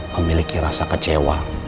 memiliki rasa kecewa